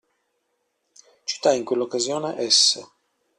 Citai in quell'occasione S.